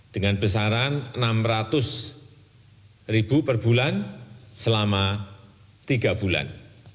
dengan besaran rp enam ratus ribu per bulan selama tiga bulan